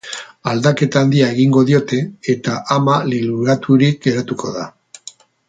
Aldaketa handia egingo diote, eta ama liluraturik geratuko da.